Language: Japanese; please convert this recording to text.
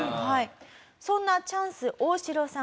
そんなチャンス大城さん